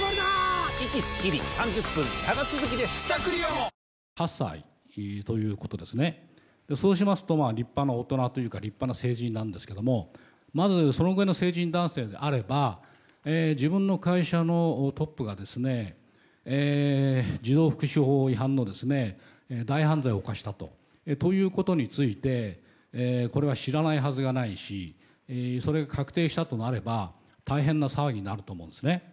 もちろん、過去の判例などそういった法的な分析も前提に立派な大人立派な成人なんですけどもまずそのぐらいの成人男性であれば自分の会社のトップが児童福祉法違反の大犯罪を犯したということについて知らないはずがないしそれが確定したとなれば大変な騒ぎになると思うんです。